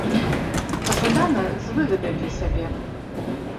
Пажадана, з выгадай для сябе.